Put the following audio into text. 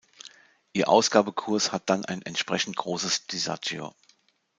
Ihr Ausgabekurs hat dann ein entsprechend großes Disagio.